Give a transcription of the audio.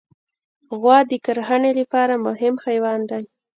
غوا د کرهڼې لپاره مهم حیوان دی.